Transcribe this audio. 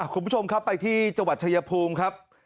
คุณผู้ชมครับไปที่จังหวัดชายภูมิครับ